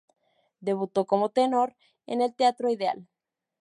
Debutó como tenor en el Teatro Ideal.